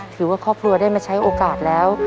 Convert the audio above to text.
ถือว่าครอบครัวได้มาใช้โอกาสแล้ว